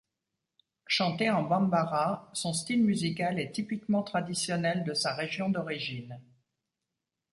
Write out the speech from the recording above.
Chanté en bambara, son style musical est typiquement traditionnel de sa région d'origine.